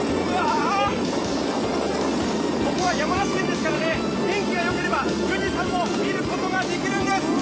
ここは山梨県ですから、天気がよければ富士山も見ることができるんです。